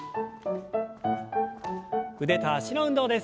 腕と脚の運動です。